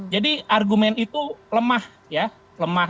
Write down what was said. jadi argumen itu lemah ya lemah